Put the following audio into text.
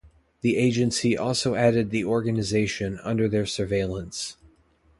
The agency also added the organization under their surveillance.